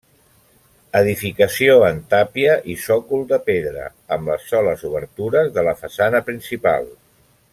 Edificació en tàpia i sòcol de pedra, amb les soles obertures de la façana principal.